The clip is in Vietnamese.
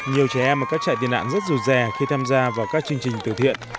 nhiều trẻ em ở các trại tị nạn rất dù rè khi tham gia vào các chương trình từ thiện